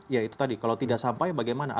ya itu tadi kalau tidak sampai bagaimana